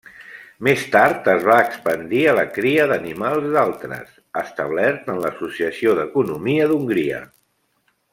Més tard es va expandir a la cria d'animals d'altres, establert en l'Associació d'Economia d'Hongria.